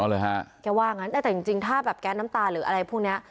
แกว่างั้นแต่จริงถ้าแบบแก๊สน้ำตาหรืออะไรพวกเนี้ย